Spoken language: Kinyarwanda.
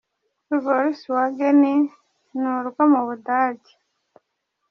Volkswagen : Ni urwo mu Budage.